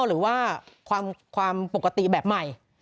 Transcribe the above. หรือว่าความปกติแบบใหม่